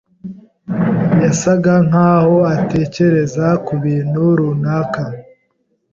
yasaga nkaho atekereza kubintu runaka.